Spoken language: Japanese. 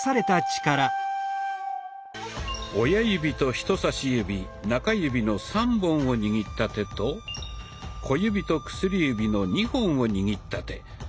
親指と人さし指中指の３本を握った手と小指と薬指の２本を握った手。